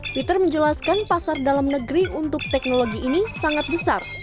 peter menjelaskan pasar dalam negeri untuk teknologi ini sangat besar